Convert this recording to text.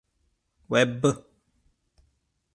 Webb!